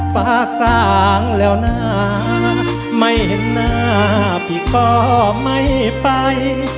ฟ้าสางแล้วนะไม่เห็นหน้าพี่ก็ไม่ไป